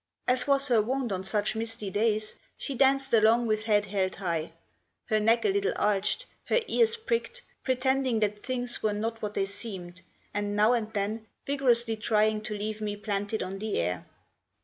As was her wont on such misty days, she danced along with head held high, her neck a little arched, her ears pricked, pretending that things were not what they seemed, and now and then vigorously trying to leave me planted on the air.